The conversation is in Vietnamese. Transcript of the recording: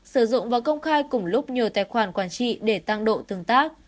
sử dụng và công khai cùng lúc nhiều tài khoản quản trị để tăng độ tương tác